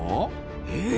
へえ